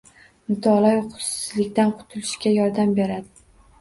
Mutolaa uyqusizlikdan qutulishga yordam beradi.